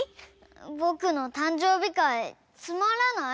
ぼくのたんじょうびかいつまらない？